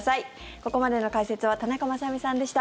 ここまでの解説は田中雅美さんでした。